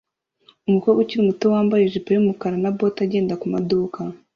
Umukobwa ukiri muto wambaye ijipo yumukara na bote agenda kumaduka